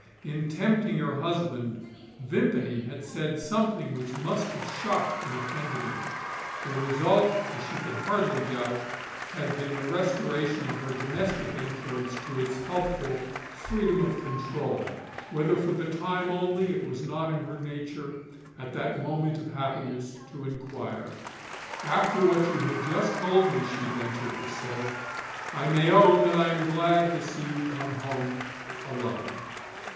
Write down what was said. In tempting her husband, Vimpany had said something which must have shocked and offended him. The result, as she could hardly doubt, had been the restoration of her domestic influence to its helpful freedom of control whether for the time only it was not in her nature, at that moment of happiness, to inquire. "After what you have just told me," she ventured to say, "I may own that I am glad to see you come home, alone."